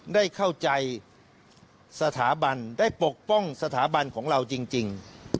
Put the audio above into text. ได้เข้าใจสถาบันได้ปกป้องสถาบันของเราจริง